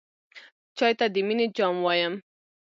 چای ته د مینې جام وایم.